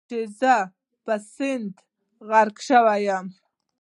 چې زه په سیند کې غرق شوی یم.